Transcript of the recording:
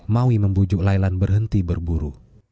maui membujuk lailan berhenti berburu